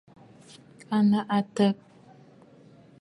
À nɨ̂ àkə̀?